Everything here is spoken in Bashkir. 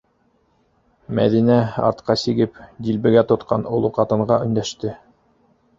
Мәҙинә, артҡа сигеп, дилбегә тотҡан оло ҡатынға өндәште: